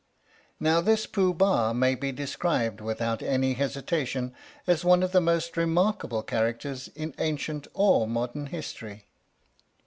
Now this Pooh Bah may be described without any hesitation as one of the most remarkable char acters in ancient or modern history.